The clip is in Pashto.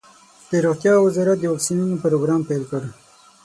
د روغتیا وزارت د واکسینونو پروګرام پیل کړ.